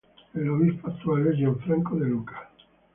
El obispo actual es Gianfranco De Luca.